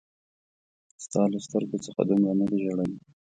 ستا له سترګو څخه دومره نه دي ژړلي